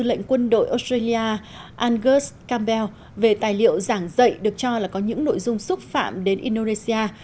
australia angus campbell về tài liệu giảng dạy được cho là có những nội dung xúc phạm đến indonesia